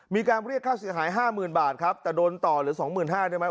มีการเรียกค่าเสียหายห้าหมื่นบาทครับแต่โดนต่อหรือสองหมื่นห้าได้ไหม